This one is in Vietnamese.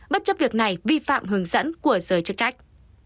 bất chấp việc này vi phạm hướng dẫn của giới chức trách